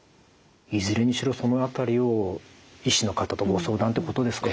いずれにしろその辺りを医師の方とご相談ということですかね？